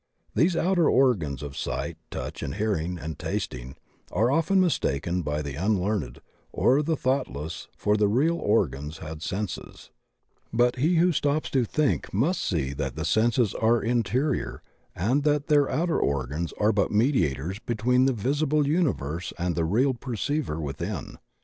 These outer organs of sight, touch and hearing, and tasting, are often mistaken by the un learned or the thoughtless for the real organs and senses, but he who stops to think must see that the senses are interior and that their outer organs are but mediators between the visible universe and the real perceiver within.